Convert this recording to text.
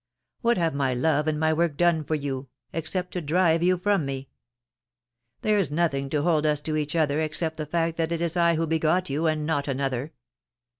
What have my love and my work done for you, except to drive you from me ? There's nothing to hold us to each other except the fact that it is I who begot you, and not another.